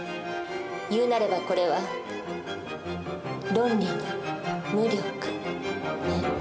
言うなればこれは「ロンリの無力」ね。